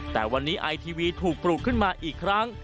แต่วันนี้ไอทีวีถูกปลูกขึ้นมาอีกครั้ง